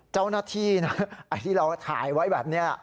เจ้าหน้าที่นะไอ้ที่เราถ่ายไว้แบบนี้